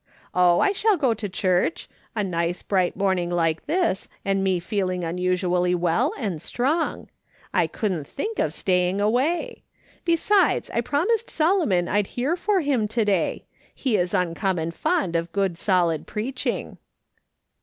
Oh, I shall go to church ; a nice, bright morning like this, and me feeling usually well and strong ; I couldn't think of staying av/ay ! Besides, I promised Solomon I'd hear for him to day ; he is uncommon fond of good solid preaching."